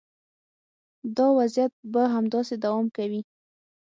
دا وضعیت به همداسې دوام کوي.